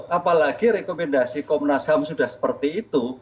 apalagi rekomendasi komnasam sudah seperti itu